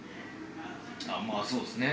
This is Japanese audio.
まあそうっすね